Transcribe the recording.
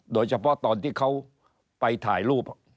โดยเฉพาะตอนที่เขาไปถ่ายรูป